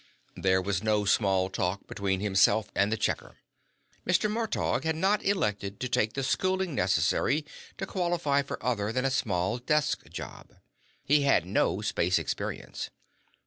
There was no small talk between himself and the checker. Mr. Murtaugh had not elected to take the schooling necessary to qualify for other than a small desk job. He had no space experience.